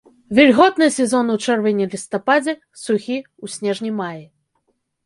Вільготны сезон у чэрвені-лістападзе, сухі ў снежні-маі.